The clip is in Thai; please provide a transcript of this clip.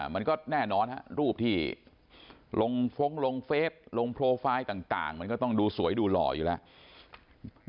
มันก็แน่นอนรูปที่ลงฟ้องลงเฟสลงโปรไฟล์ต่างมันก็ต้องดูสวยดูหล่ออยู่แล้ว